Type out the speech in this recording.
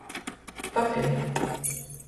Papive.